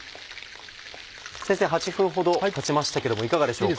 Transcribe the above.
先生８分ほどたちましたけどもいかがでしょうか？